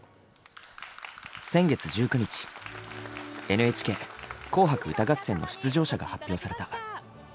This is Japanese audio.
「ＮＨＫ紅白歌合戦」の出場者が発表された。